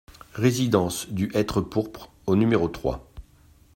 Résidence du Hêtre Pourpre au numéro trois